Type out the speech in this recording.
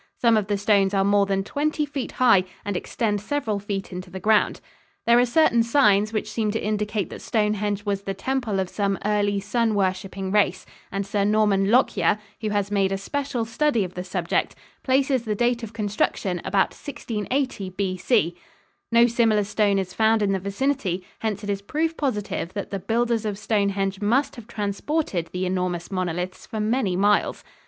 Some of the stones are more than twenty feet high and extend several feet into the ground. There are certain signs which seem to indicate that Stonehenge was the temple of some early sun worshiping race, and Sir Norman Lockyer, who has made a special study of the subject, places the date of construction about 1680 B.C. No similar stone is found in the vicinity; hence it is proof positive that the builders of Stonehenge must have transported the enormous monoliths for many miles.